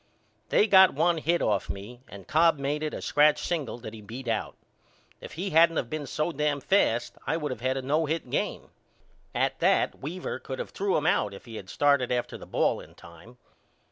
They got one hit off me and Cobb made it a scratch single that he beat out. If he hadn't of been so dam fast I would of had a no hit game. At that Weaver could of threw him out if he had started after the ball in time.